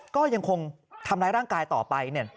ก็ยังคงทำร้ายร่างกายต่อไป